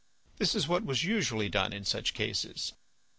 This is what was usually done in such cases.